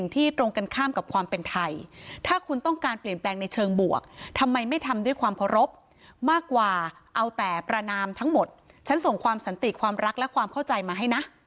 ทำไมไม่ทำด้วยความรบมากกว่าเอาแต่พรรณามทั้งหมดฉันส่งความสัตติความรักและความเข้าใจมาให้นะ